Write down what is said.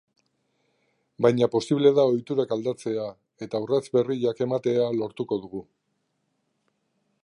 Baina posible da ohiturak aldatzea, eta urrats berriak ematea lortuko dugu.